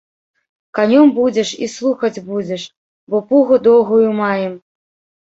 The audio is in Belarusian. Канём будзеш і слухаць будзеш, бо пугу доўгую маем!